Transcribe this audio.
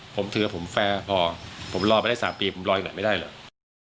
ผมถือผมแฟร์พอผมรอไปได้๓ปีผมรออีกหน่อยไม่ได้เลย